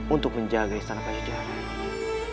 untuk menjaga istana kajian rai